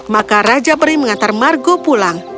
maka raja peri mengantar margo pulang